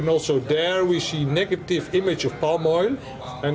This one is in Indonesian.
dan juga di sana kita melihat gambar negatif sawit